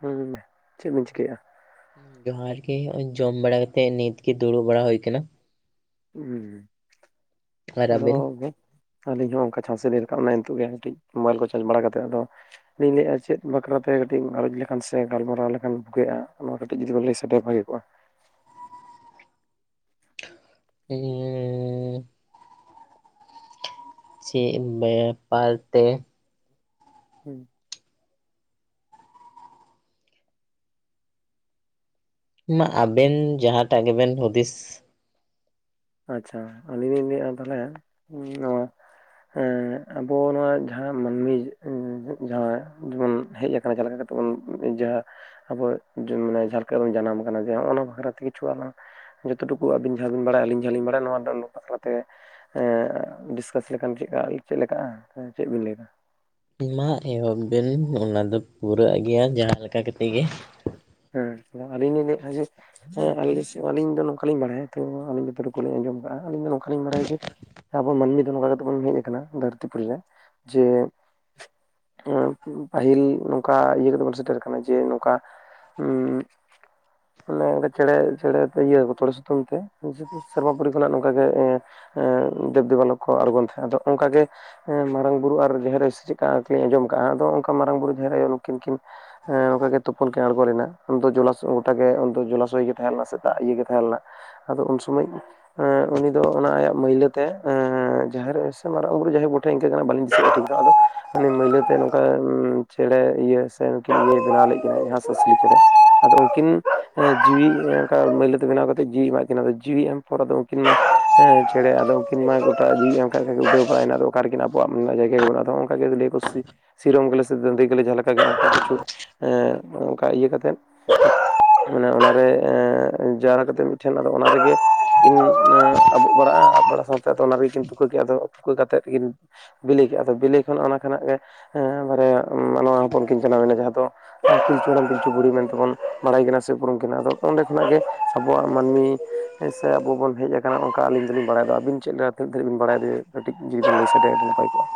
ᱦᱩᱸ ᱪᱮᱫ ᱵᱤᱱ ᱪᱤᱠᱟᱹᱭᱼᱟ? ᱡᱚᱦᱟᱨᱜᱤᱜ ᱡᱚᱢ ᱵᱟᱲᱟ ᱠᱟᱛᱮᱜ ᱱᱤᱛᱜᱤ ᱫᱩᱲᱩᱵ ᱵᱟᱲᱟ ᱦᱳᱭ ᱠᱟᱱᱟ᱾ ᱦᱩᱸ ᱟᱨ ᱟᱫᱚ ᱟᱵᱮᱱ ᱟᱹᱞᱤᱧ ᱦᱚᱸ ᱚᱱᱠᱟ ᱪᱷᱟᱫ ᱤᱞᱤ ᱨᱟᱠᱟᱵ ᱮᱱᱟ ᱱᱤᱛᱚᱜ ᱜᱮ ᱠᱟᱹᱴᱤᱡ ᱢᱳᱵᱟᱭᱤᱞ ᱠᱚ ᱪᱟᱨᱡᱽ ᱵᱟᱲᱟ ᱠᱟᱛᱮᱫ ᱟᱫᱚ ᱞᱟᱹᱭᱮᱫᱼᱟ ᱪᱮᱫ ᱵᱟᱠᱷᱨᱟᱛᱮ ᱠᱟᱹᱴᱤᱡ ᱜᱟᱞᱚᱸᱪ ᱞᱮᱠᱷᱟᱱ ᱥᱮ ᱜᱟᱞᱢᱟᱨᱟᱣ ᱞᱮᱠᱷᱟᱱ ᱵᱩᱜᱮᱜᱼᱟ ᱠᱟᱹᱴᱤᱡ ᱡᱩᱫᱤ ᱞᱟᱹᱭ ᱥᱮᱵᱮᱭᱟ ᱵᱷᱟᱹᱜᱮ ᱠᱚᱜᱼᱟ ᱾ [unintelligible] ᱪᱮᱜ ᱮᱢ ᱞᱟᱹᱭᱟ ᱯᱟᱨ ᱛᱮ ᱦᱩᱸ ᱢᱟ ᱟᱵᱮᱱ ᱡᱟᱦᱟᱸᱴᱟᱜ ᱜᱮᱵᱮᱱ ᱦᱩᱸᱫᱤᱥ ᱼᱼ ᱟᱪᱪᱷᱟ। ᱟᱹᱞᱤᱧ ᱞᱤᱧ ᱞᱟᱹᱭᱮᱜᱼᱟ ᱛᱟᱦᱚᱞᱮ ᱩᱸᱻ ᱱᱚᱣᱟ ᱼᱼ ᱦᱮᱸ ᱟᱵᱚ ᱱᱚᱣᱟ ᱡᱟᱦᱟᱸ ᱢᱟᱹᱱᱢᱤ ᱡᱟᱦᱟᱸ ᱵᱚᱱ ᱦᱮᱡ ᱟᱠᱟᱱᱟ ᱡᱟᱦᱟᱸ ᱞᱮᱠᱟᱛᱮ ᱛᱟᱵᱚᱱ ᱡᱟᱦᱟᱸ ᱟᱵᱚ ᱢᱟᱱᱮ ᱡᱷᱟᱞᱮᱠᱟ ᱵᱚᱱ ᱡᱟᱱᱟᱢ ᱟᱠᱟᱱᱟ ᱡᱮ ᱚᱱᱟ ᱵᱟᱠᱷᱨᱟᱛᱮ ᱠᱤᱪᱷᱩ ᱟᱞᱟᱝ ᱡᱚᱛᱚ ᱴᱩᱠᱩ ᱟᱵᱤᱱ ᱡᱟᱦᱟᱸ ᱵᱤᱱ ᱵᱟᱲᱟᱭᱟ, ᱟᱹᱞᱤᱧ ᱡᱟᱦᱟᱸᱞᱤᱧ ᱵᱟᱲᱟᱭᱟ᱾ ᱱᱚᱣᱟ ᱫᱚᱞ ᱵᱟᱠᱷᱨᱟ ᱛᱮ। ᱮᱸ ᱰᱤᱥᱠᱟᱥ ᱞᱮᱠᱷᱟᱱ ᱪᱮᱜ ᱪᱮᱜ ᱞᱮᱠᱟᱜ-ᱟ ᱪᱮᱫ ᱵᱤᱱ ᱞᱟᱹᱭ ᱫᱟ? ᱢᱟ ᱮᱦᱚᱵ ᱵᱮᱱ ᱚᱱᱟᱫᱚ ᱯᱩᱨᱟᱹᱜ ᱜᱮᱭᱟ ᱡᱟᱦᱟᱸ ᱞᱮᱠᱟ ᱠᱟᱛᱮᱫ ᱜᱮ ᱾ ᱦᱮᱸ। ᱛᱷᱚᱲᱟ ᱟᱹᱞᱤᱧ ᱞᱤᱧ ᱞᱟᱹᱭᱼᱟ ᱡᱮ ᱼᱼ ᱦᱮᱸ ᱟᱞᱮ ᱥᱮᱜ ᱟᱹᱞᱤᱧ ᱫᱚ ᱱᱚᱝᱠᱟ ᱞᱤᱧ ᱵᱟᱲᱟᱭᱟ ᱛᱚ ᱟᱹᱞᱤᱧ ᱴᱩᱠᱩ ᱠᱚ ᱞᱤᱧ ᱟᱸᱡᱚᱢ ᱠᱟᱜᱼᱟ ᱟᱹᱞᱤᱧ ᱫᱚ ᱱᱚᱝᱠᱟ ᱞᱤᱧ ᱵᱟᱲᱟᱭᱟ ᱡᱮᱼᱼ ᱟᱵᱚ ᱢᱟᱹᱱᱢᱤ ᱫᱚ ᱱᱚᱝᱠᱟ ᱠᱟᱛᱮᱜ ᱵᱚᱱ ᱦᱮᱡ ᱟᱠᱟᱱᱟ, ᱫᱷᱟᱹᱨᱛᱤ ᱯᱩᱨᱤ ᱨᱮ। ᱡᱮ ᱼᱼ ᱯᱟᱹᱦᱤᱞ ᱱᱚᱝᱠᱟ ᱤᱭᱟᱹ ᱠᱟᱛᱮᱵᱚᱱ ᱥᱮᱴᱮᱨ ᱟᱞᱠᱟᱱᱟ ᱡᱮ ᱱᱚᱝᱠᱟ, ᱦᱩᱸ, [inaudible] ᱢᱟᱱᱮ ᱪᱮᱸᱬᱮ ᱪᱮᱸᱬᱮ ᱤᱭᱟᱹ ᱛᱚᱲᱮ ᱥᱩᱛᱟᱹᱢ ᱛᱮ ᱥᱮᱨᱢᱟ ᱯᱩᱨᱤ ᱠᱷᱚᱱᱟᱜ ᱱᱚᱝᱠᱟ ᱜᱮ ᱮᱸ ᱮᱸ ᱫᱮᱵᱽ ᱫᱮᱵᱟ ᱞᱳᱠ ᱠᱚ ᱟᱬᱜᱳᱚᱱ ᱛᱟᱦᱮᱸᱱᱟ। ᱟᱫᱚ ᱚᱱᱠᱟᱜᱮ ᱼᱼ ᱦᱮᱸ ᱢᱟᱨᱟᱝ ᱵᱩᱨᱩ ᱟᱨ ᱡᱟᱦᱮᱨ ᱥᱮ ᱪᱮᱫᱠᱟᱠᱤᱱ ᱟᱸᱡᱚᱢ ᱠᱟᱜᱼᱟ ᱟᱫᱚ ᱚᱱᱠᱟ ᱢᱟᱨᱟᱝ ᱵᱩᱨᱩ ᱡᱟᱦᱮᱨ ᱟᱭᱚ ᱱᱩᱠᱤᱱ ᱠᱤᱱ ᱦᱮᱸ ᱚᱱᱠᱟ ᱜᱮ ᱛᱳᱯᱳᱱ ᱠᱤᱱ ᱟᱬᱜᱚ ᱞᱮᱱᱟ ᱩᱱ ᱫᱚ ᱡᱚᱞᱟᱥ ᱜᱚᱴᱟ ᱜᱮ ᱩᱱ ᱫᱚ ᱡᱚᱞᱟᱥᱚᱭ ᱜᱮ ᱛᱟᱦᱮᱸ ᱞᱮᱱᱟ ᱥᱮ ᱫᱟᱜ ᱤᱭᱟᱹᱜᱮ ᱛᱟᱦᱮᱸ ᱞᱮᱱᱟ ᱾ ᱟᱫᱚ ᱩᱱ ᱥᱚᱢᱚᱭ ᱼᱼ ᱮᱸ ᱩᱱᱤ ᱫᱚ ᱚᱱᱟ ᱟᱭᱟᱜ ᱢᱟᱹᱭᱞᱟᱹᱛᱮ, ᱮᱸᱻ ᱡᱟᱦᱟᱸ ᱨᱮ ᱥᱮ ᱢᱟᱨᱟᱝ ᱵᱩᱨᱩ ᱡᱟᱦᱮᱨ ᱵᱩᱴᱷᱟᱭ ᱤᱱᱠᱟᱹ ᱠᱟᱱᱟ᱾ ᱵᱟᱹᱞᱤᱧ ᱫᱤᱥᱟᱹᱭᱮᱜᱼᱟ। ᱴᱷᱤᱠ ᱫᱚ ᱟᱫᱚ ᱢᱟᱱᱮ ᱢᱟᱹᱭᱞᱟᱹᱛᱮ ᱱᱚᱝᱠᱟ ᱪᱮᱸᱬᱮ ᱤᱭᱟᱹ ᱥᱮ ᱱᱠᱤᱱ ᱤᱭᱟᱹᱭ ᱵᱮᱱᱟᱣ ᱞᱮᱜ ᱠᱤᱱᱟᱭ ᱦᱟᱥ ᱦᱟᱥᱞᱤ ᱪᱮᱸᱬᱮ ᱟᱫᱚ ᱩᱱᱠᱤᱱ ᱦᱮᱸ ᱡᱤᱣᱤ ᱚᱝᱠᱟ ᱢᱟᱹᱭᱞᱟᱹ ᱛᱮ ᱵᱮᱱᱟᱣ ᱠᱟᱛᱮᱜ ᱡᱤᱣᱤ ᱮᱢᱟᱜ ᱠᱤᱱᱟ ᱡᱤᱣᱤ ᱮᱢ ᱯᱚᱨ ᱟᱫᱚ ᱩᱱᱠᱤᱱ ᱢᱟ ᱦᱮᱸ ᱪᱮᱸᱬᱮ ᱟᱫᱚ ᱩᱱᱠᱤᱱ ᱢᱟ ᱜᱚᱴᱟ ᱡᱤᱣᱤ ᱮᱢ ᱩᱰᱟᱹᱣᱵᱟᱲᱟᱭᱱᱟ ᱟᱫᱚ ᱚᱠᱟ ᱨᱮᱠᱤᱱ ᱟᱵᱚᱣᱟᱜ ᱡᱟᱭᱜᱟ ᱜᱮ ᱵᱟᱹᱱᱩᱜᱼᱟ᱾ ᱦᱚᱜ [unintelligible] ᱠᱚ ᱥᱤ ᱥᱤᱨᱚᱢ ᱜᱮᱞᱮ ᱥᱮ ᱫᱟᱹᱱᱫᱤ ᱜᱮᱞᱮ ᱡᱟᱦᱟᱸ ᱞᱮᱠᱟ ᱜᱮ ᱚᱱᱠᱟᱱ ᱠᱤᱪᱷᱩ ᱦᱮᱸ ᱚᱝᱠᱟ ᱤᱭᱟᱹ ᱠᱟᱛᱮᱫ ᱢᱟᱱᱮ ᱚᱱᱟᱨᱮ ᱮᱸ ᱡᱟᱦᱟ ᱞᱮᱠᱟᱛᱮ ᱢᱤᱫᱴᱷᱮᱱ ᱟᱫᱚ ᱚᱱᱟ ᱨᱮᱜᱮ ᱠᱤᱱ ᱩᱱᱟ ᱟᱹᱵᱩᱜ ᱵᱟᱲᱟᱜᱼᱟ ᱟᱵᱚᱜ ᱵᱟᱲᱟ ᱥᱟᱶᱛᱮ ᱟᱫᱚ ᱚᱱᱟ ᱨᱮᱜᱮ ᱠᱤᱱ ᱛᱩᱠᱟᱹ ᱠᱮᱫᱟ ᱟᱫᱚ ᱛᱩᱠᱟᱹ ᱠᱟᱛᱮᱫ ᱠᱤᱱ ᱵᱤᱞᱤ ᱠᱮᱜ ᱟᱫᱚ ᱵᱤᱞᱤ ᱠᱷᱚᱱ ᱚᱱᱟ ᱠᱷᱚᱱᱟᱜ ᱜᱮ ᱵᱟᱨᱭᱟ ᱢᱟᱱᱣᱟ ᱦᱚᱯᱚᱱ ᱠᱤᱱ ᱡᱟᱱᱟᱢᱮᱱᱟ ᱡᱟᱦᱟᱸ ᱫᱚ ᱯᱤᱞᱪᱩ ᱦᱟᱲᱟᱢ ᱯᱤᱞᱪᱩ ᱵᱩᱲᱦᱤ ᱢᱮᱱᱛᱮᱵᱚᱱ ᱵᱟᱲᱟᱭᱠᱤᱱᱟ ᱥᱮ ᱩᱯᱨᱩᱢ ᱠᱤᱱᱟ ᱫᱚ ᱚᱸᱰᱮ ᱠᱷᱚᱱᱟᱜ ᱜᱮ ᱥᱟᱵᱚᱜᱼᱟ ᱢᱟᱹᱱᱢᱤ ᱦᱮᱸ ᱥᱮ ᱟᱵᱚ ᱵᱚᱱ ᱦᱮᱡ ᱟᱠᱟᱱᱟ ᱚᱱᱠᱟ ᱟᱞᱤᱧ ᱫᱚ ᱞᱤᱧ ᱵᱟᱲᱟᱭ ᱫᱟ᱾ ᱟᱹᱵᱤᱱ ᱪᱮᱫ ᱞᱮᱠᱟ ᱛᱤᱱᱟᱹᱜ ᱫᱷᱟᱹᱨᱤᱡ ᱵᱤᱱ ᱵᱟᱲᱟᱭ? ᱠᱟᱹᱴᱤᱡ ᱡᱩᱫᱤ ᱵᱮᱱ ᱞᱟᱹᱭ ᱥᱟᱰᱮ ᱟᱹᱰᱤ ᱱᱟᱯᱟᱭ ᱠᱚᱜ-ᱟ᱾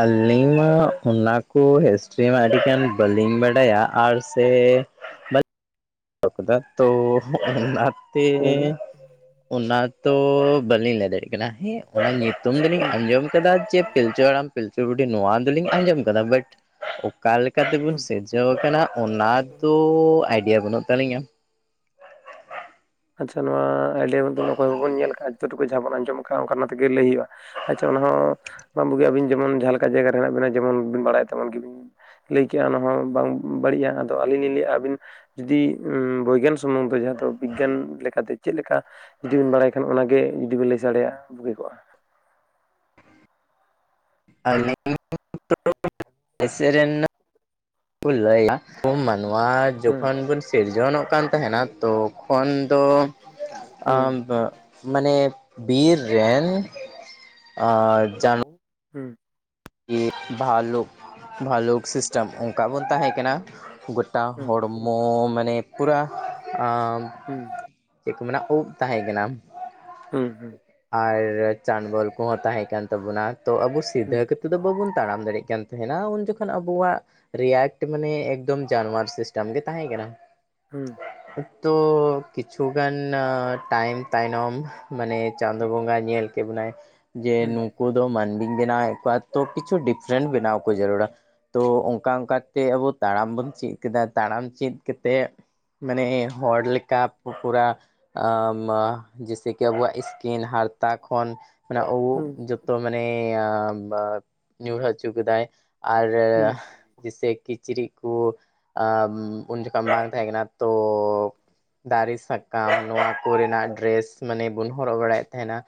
ᱟᱹᱞᱤᱧ ᱢᱟ ᱚᱱᱟ ᱠᱚ ᱦᱤᱥᱴᱨᱤ ᱢᱟ ᱟᱹᱰᱤ ᱜᱟᱱ ᱵᱟᱹᱞᱤᱧ ᱵᱟᱰᱟᱭ-ᱟ᱾ᱟᱨ ᱥᱮ [unintelligible] ᱛᱚ ᱚᱱᱟᱛᱮ ᱞᱟᱹᱭ ᱵᱤᱱ ᱚᱱᱟ ᱛᱚ ᱵᱟᱹᱞᱤᱧ ᱞᱟᱹᱭ ᱫᱟᱲᱮᱜ ᱠᱟᱱᱟ ᱦᱮᱸ ᱚᱱᱟ ᱧᱩᱛᱩᱢ ᱫᱚ ᱞᱤᱧ ᱦᱩᱸ ᱟᱸᱡᱚᱢ ᱠᱟᱫᱟ ᱡᱮ ᱯᱤᱞᱪᱩ ᱦᱟᱲᱟᱢ ᱯᱤᱞᱪᱩ ᱵᱩᱰᱷᱤ ᱱᱚᱣᱟ ᱫᱚ ᱞᱤᱧ ᱟᱸᱡᱚᱢ ᱟᱠᱟᱫᱟ ᱵᱟᱹᱴ ᱚᱠᱟ ᱞᱮᱠᱟ ᱛᱮ ᱵᱚᱱ ᱦᱩᱸ ᱥᱤᱨᱡᱟᱹᱣ ᱟᱠᱟᱱᱟ ᱚᱱᱟ ᱫᱚ ᱟᱭᱰᱤᱭᱟ ᱵᱟᱹᱱᱩᱜ ᱛᱟᱹᱞᱤᱧᱟ᱾ ᱟᱪᱪᱷᱟ ᱱᱚᱣᱟ ᱟᱭᱰᱤᱭᱟ ᱢᱟᱛᱚ ᱚᱠᱚᱭ ᱵᱟᱵᱚᱱ ᱧᱮᱞ ᱠᱟᱜ-ᱟ ᱡᱟ ᱴᱩᱠᱩ ᱡᱟᱦᱟ ᱵᱚᱱ ᱟᱸᱡᱚᱢ ᱠᱟᱜ-ᱟ ᱚᱱᱠᱟᱱᱟᱜ ᱛᱮᱜᱮ ᱞᱟᱹᱭ ᱦᱳᱭᱳᱜ-ᱟ᱾ ᱟᱪᱪᱷᱟ ᱚᱱᱟ ᱦᱚᱸ ᱵᱩᱜᱤᱭᱟ ᱟᱹᱵᱤᱱ ᱡᱮᱢᱚᱱ ᱡᱟᱦᱟ ᱞᱮᱠᱟ ᱡᱟᱭᱜᱟ ᱨᱮ ᱦᱮᱱᱟᱜ ᱵᱤᱱᱟ ᱡᱮᱢᱚᱱ ᱵᱤᱱ ᱵᱟᱲᱟᱭ-ᱟ ᱛᱮᱢᱚᱱ ᱜᱮ ᱵᱤᱱ ᱞᱟᱹᱭ ᱠᱮᱫᱮᱜ-ᱟ ᱚᱱᱟ ᱦᱚᱸ ᱵᱟᱝ ᱵᱟᱹᱲᱤᱡᱟ ᱟᱫᱚ ᱟᱹᱞᱤᱧ ᱞᱤᱧ ᱞᱟᱹᱭ-ᱟ ᱟᱹᱵᱤᱱ ᱡᱩᱫᱤ ᱵᱳᱜᱟᱱ ᱥᱚᱢᱚᱱᱫᱷᱚ ᱫᱚ ᱡᱟᱦᱟ ᱫᱚ ᱵᱤᱜᱽᱜᱟᱱ ᱞᱮᱠᱟᱛᱮ ᱪᱮᱫ ᱞᱮᱠᱟ ᱡᱩᱫᱤ ᱵᱮᱱ ᱵᱟᱲᱟᱭ ᱠᱷᱟᱱ ᱚᱱᱟᱜᱮ ᱡᱩᱫᱤ ᱵᱮᱱ ᱞᱟᱹᱭ ᱥᱟᱰᱮᱭᱟᱜ-ᱟ ᱵᱩᱜᱤ ᱠᱚᱜ-ᱟ᱾ [unintelligible] ᱟᱞᱤ ᱥᱮᱨᱮ ᱠᱚ ᱞᱟᱹᱭ ᱟᱵᱚ ᱢᱟᱱᱣᱟ ᱦᱩᱸ ᱡᱚᱠᱷᱚᱱ ᱵᱚᱱ ᱥᱤᱨᱡᱚᱱᱚᱜ ᱠᱟᱱ ᱛᱟᱦᱮᱱᱟ ᱛᱚᱠᱷᱚᱱ ᱫᱚ ᱦᱩᱸ ᱢᱟᱱᱮ ᱵᱤᱨ ᱨᱮᱱ ᱡᱟᱱ ᱦᱩᱸ᱾ ᱵᱷᱟᱹᱞᱩᱠ, ᱵᱷᱟᱹᱞᱩᱠ ᱥᱤᱥᱴᱮᱢ ᱚᱱᱠᱟ ᱵᱚᱱ ᱛᱟᱦᱮᱸ ᱠᱟᱱᱟ᱾ ᱜᱚᱴᱟ ᱦᱩᱸ ᱦᱚᱲᱢᱚ ᱢᱟᱱᱮ ᱯᱩᱨᱟᱹ ᱦᱩᱸ ᱪᱮᱫ ᱠᱚ ᱢᱮᱱᱟ ᱩᱵ ᱛᱟᱦᱮ ᱠᱟᱱᱟ᱾ ᱦᱩᱸ, ᱦᱩᱸ᱾ ᱟᱨ ᱪᱟᱱᱵᱚᱞ ᱠᱚᱦᱚᱸ ᱛᱟᱦᱮᱸ ᱠᱟᱱ ᱛᱟᱵᱚᱱᱟ ᱛᱚ ᱟᱵᱩ ᱦᱩᱸ ᱥᱤᱫᱷᱟᱹ ᱠᱟᱛᱮᱫ ᱫᱚ ᱵᱟᱵᱩᱱ ᱛᱟᱲᱟᱢ ᱫᱟᱲᱮᱜ ᱠᱟᱱ ᱛᱟᱦᱮᱱᱟ ᱩᱱ ᱡᱚᱠᱷᱚᱱ ᱟᱵᱚᱣᱟᱜ ᱨᱤᱭᱟᱭᱮᱠᱴ ᱢᱟᱱᱮ ᱮᱠᱫᱚᱢ ᱡᱟᱱᱣᱟᱨ ᱥᱤᱥᱴᱮᱢ ᱜᱮ ᱛᱟᱦᱮ ᱠᱟᱱᱟ᱾ ᱦᱩᱸ᱾ ᱛᱚ ᱠᱤᱪᱷᱩ ᱜᱟᱱ ᱴᱟᱭᱤᱢ ᱛᱟᱭᱱᱚᱢ ᱢᱟᱱᱮ ᱪᱟᱸᱫᱳ ᱵᱚᱸᱜᱟ ᱟᱭ ᱧᱮᱞ ᱠᱮᱜ ᱵᱚᱱᱟᱭ ᱡᱮ ᱦᱩᱸ ᱱᱩ ᱠᱩ ᱫᱚ ᱢᱟᱹᱱᱢᱤᱧ ᱵᱮᱱᱟᱣᱮᱜ ᱠᱚᱣᱟ ᱛᱚ ᱠᱤᱪᱷᱩ ᱰᱤᱯᱷᱨᱮᱱᱴ ᱵᱮᱱᱟᱣ ᱠᱚ ᱡᱟᱹᱨᱩᱲᱟ᱾ ᱛᱚ ᱚᱝᱠᱟ ᱚᱝᱠᱟ ᱛᱮ ᱟᱵᱚ ᱛᱟᱲᱟᱢ ᱵᱚᱱ ᱪᱮᱫ ᱠᱮᱫᱟ᱾ ᱛᱟᱲᱟᱢ ᱪᱮᱫ ᱠᱟᱛᱮᱫ ᱢᱟᱱᱮ ᱦᱚᱲ ᱞᱮᱠᱟ ᱯᱩ ᱯᱩᱨᱟ ᱡᱮᱥᱮ ᱠᱤ ᱟᱵᱚᱣᱟᱜ ᱥ ᱠᱤᱱ ᱦᱟᱨᱛᱟ ᱠᱷᱚᱱ ᱢᱟᱱᱮ ᱩᱵ ᱦᱩᱸ ᱡᱚ ᱛᱚ ᱢᱟᱱᱮᱻ ᱟ ᱵᱟᱫ ᱧᱩᱨᱦᱟᱹ ᱦᱚᱪᱚ ᱠᱮᱫᱟᱭ ᱟᱨ ᱦᱩᱸ ᱡᱮᱭᱥᱮ ᱠᱤᱪᱨᱤᱪ ᱠᱩ ᱟᱢ ᱩᱱ ᱡᱚᱠᱷᱚᱱ ᱵᱟᱝ ᱛᱟᱦᱮᱸ ᱠᱟᱱᱟ ᱛᱚᱻ ᱫᱟᱨᱮ ᱥᱟᱠᱟᱢ ᱱᱚᱣᱟ ᱠᱚᱨᱮᱱᱟᱜ ᱰᱨᱮᱥ ᱢᱟᱱᱮ ᱵᱚᱱ ᱦᱚᱨᱚᱜ ᱵᱟᱲᱟᱭᱮᱫ ᱛᱟᱦᱮᱸᱱᱟ᱾